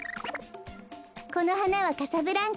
このはなはカサブランカ。